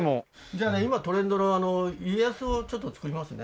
じゃあね今トレンドの家康をちょっと作りますね。